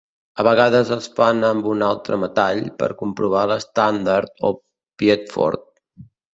A vegades es fan amb un altre metall, per comprovar l'estàndard o piedfort.